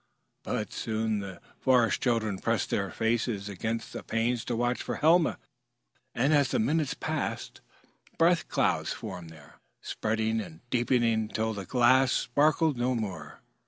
But soon the Forest Children pressed their faces against the panes to watch for Helma, and as the minutes passed breath clouds formed there, spreading and deepening until the glass sparkled no more.